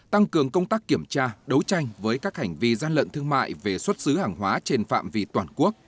tăng cường công tác kiểm tra đấu tranh với các hành vi gian lận thương mại về xuất xứ hàng hóa trên phạm vi toàn quốc